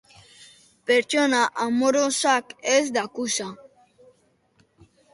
Pertsona amorosak ez dakusa.